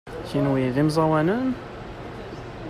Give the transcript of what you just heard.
Kenwi d imẓawanen?